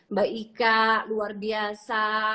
mbak ika luar biasa